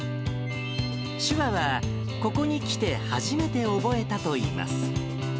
手話はここに来て初めて覚えたといいます。